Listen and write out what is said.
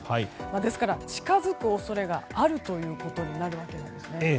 ですから近づく恐れがあるということになるわけなんですね。